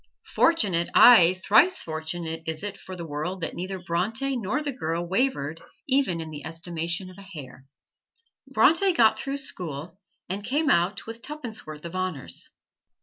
Fortunate, aye, thrice fortunate is it for the world that neither Bronte nor the girl wavered even in the estimation of a hair. Bronte got through school and came out with tuppence worth of honors.